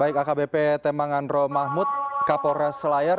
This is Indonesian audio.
baik akbp temangan roh mahmud kapolres selayar